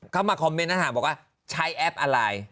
มาคอมเมนต์อาหารบอกว่าใช้แอปอะไร